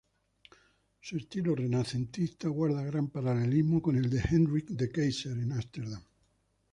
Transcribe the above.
Su estilo renacentista guarda gran paralelismo con el de Hendrick de Keyser en Ámsterdam.